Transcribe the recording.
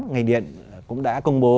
ngành điện cũng đã công bố